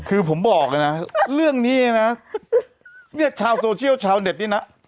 คือผมบอกเลยนะเรื่องนี้นะเนี่ยชาวโซเชียลชาวเน็ตนี่นะ